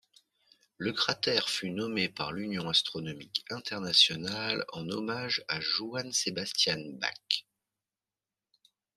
Le cratère fut nommé par l'Union astronomique internationale en hommage à Johann Sebastian Bach.